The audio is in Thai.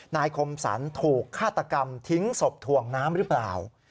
คมสรรถูกฆาตกรรมทิ้งศพถ่วงน้ำหรือเปล่า